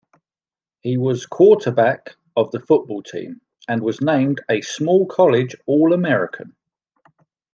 He was quarterback of the football team, and was named a small college All-American.